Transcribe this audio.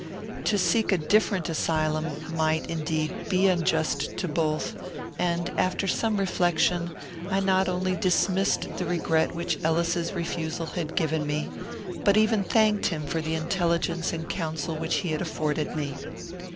To seek a different asylum might, indeed, be unjust to both; and, after some reflection, I not only dismissed the regret which Ellis's refusal had given me, but even thanked him for the intelligence and counsel which he had afforded me.